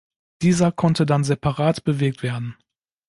Dieser konnte dann separat bewegt werden.